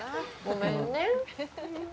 ごめんね。